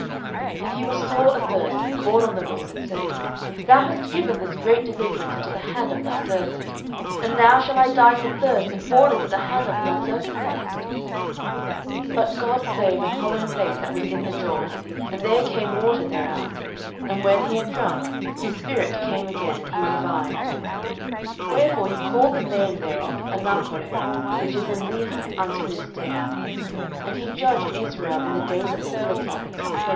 07:015:018 And he was sore athirst, and called on the LORD, and said, Thou hast given this great deliverance into the hand of thy servant: and now shall I die for thirst, and fall into the hand of the uncircumcised? 07:015:019 But God clave an hollow place that was in the jaw, and there came water thereout; and when he had drunk, his spirit came again, and he revived: wherefore he called the name thereof Enhakkore, which is in Lehi unto this day.